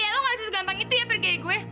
iya lu enggak bisa segampang itu ya pergi kayak gue